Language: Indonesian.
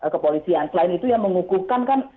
kepolisian selain itu yang mengukuhkan kan